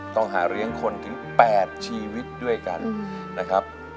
ต้องหาเลี้ยงคนถึง๘ชีวิตด้วยกันนะครับ